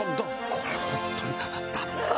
これホントに刺さった。